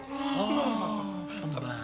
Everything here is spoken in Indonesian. oh tetap lah